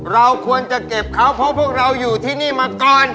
เราควรจะเก็บเขาเพราะพวกเราอยู่ที่นี่มาก่อน